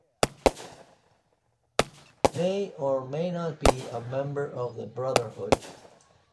He may or may not be a member of the Brotherhood.